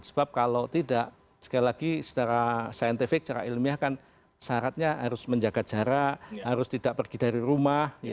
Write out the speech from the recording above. sebab kalau tidak sekali lagi secara saintifik secara ilmiah kan syaratnya harus menjaga jarak harus tidak pergi dari rumah